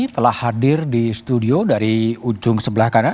telah hadir di studio dari ujung sebelah kanan